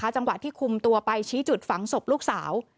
จังหวะที่คุมตัวไปชี้จุดฝังศพลูกสาว